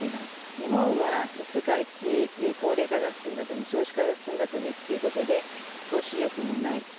日本は世界一、高齢化が進んだ国、少子化が進んだ国ということで投資意欲もない。